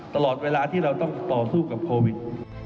ตลอดเวลาที่เราต้องต่อสู้กับโควิด